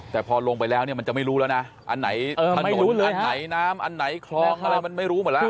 แต่พอลงไปแล้วเนี่ยมันจะไม่รู้แล้วนะอันไหนถนนอันไหนน้ำอันไหนคลองอะไรมันไม่รู้หมดแล้ว